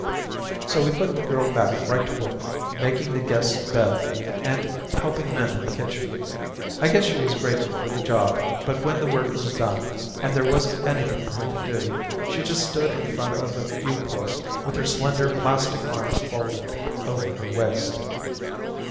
So we put the girl mech right to work making the guests' beds and helping Min in the kitchen. I guess she was grateful for the job but when the work was done, and there wasn't anything for her to do, she just stood in front of a viewport with her slender plastic arms folded over her waist.